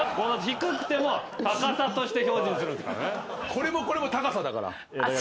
これもこれも高さだから。